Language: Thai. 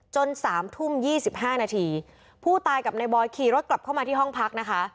จนสามทุ่มยี่สิบห้านาทีผู้ตายกับในบอยขี่รถกลับเข้ามาที่ห้องพักนะคะ